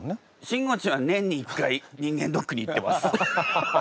しんごちんは年に１回人間ドックに行ってます。